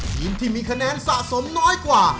ทีมที่มีคะแนนสะสมน้อยกว่า